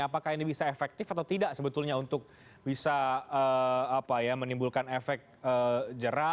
apakah ini bisa efektif atau tidak sebetulnya untuk bisa menimbulkan efek jerah